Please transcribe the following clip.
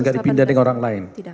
gak dipindahin orang lain